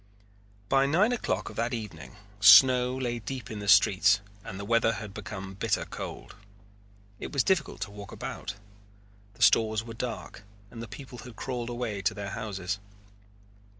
By nine o'clock of that evening snow lay deep in the streets and the weather had become bitter cold. It was difficult to walk about. The stores were dark and the people had crawled away to their houses.